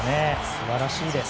素晴らしいです。